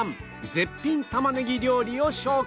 絶品玉ねぎ料理を紹介